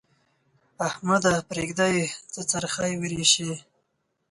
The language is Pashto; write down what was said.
احمده! پرېږده يې؛ څه څرخی ورېشې.